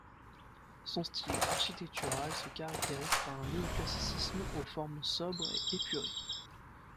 Son style architectural se caractérise par un néoclassicisme aux formes sobres et épurées.